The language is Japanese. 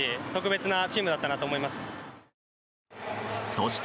そして